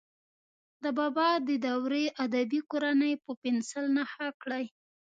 د بابا د دورې ادبي کورنۍ په پنسل نښه کړئ.